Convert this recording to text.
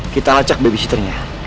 kita acak babysitternya